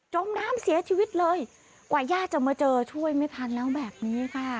มน้ำเสียชีวิตเลยกว่าญาติจะมาเจอช่วยไม่ทันแล้วแบบนี้ค่ะ